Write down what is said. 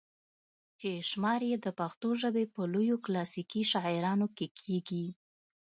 چې شمار ئې د پښتو ژبې پۀ لويو کلاسيکي شاعرانو کښې کيږي